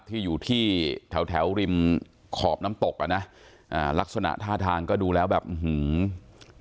ที่อยู่ที่แถวแถวริมขอบน้ำตกอ่ะนะอ่าลักษณะท่าทางก็ดูแล้วแบบอื้อหือ